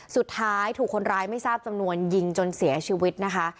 สุดท้ายถูกคนร้ายไม่ทราบจำนวนยิงจนเสียชีวิตนะคะ